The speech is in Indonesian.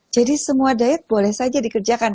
jadi semua diet boleh saja dikerjakan